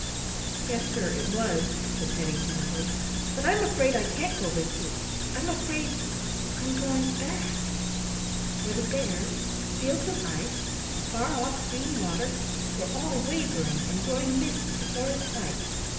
"Yes, sir, it was," said Teddy, timidly; "but I'm afraid I can't go with you; I'm afraid I'm going back," —for the bears, the fields of ice, the far off green water, were all wavering and growing misty before his sight.